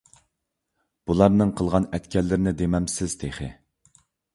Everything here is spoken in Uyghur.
بۇلارنىڭ قىلغان - ئەتكەنلىرىنى دېمەمسىز تېخى.